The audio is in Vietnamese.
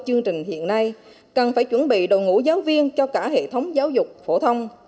chương trình hiện nay cần phải chuẩn bị đội ngũ giáo viên cho cả hệ thống giáo dục phổ thông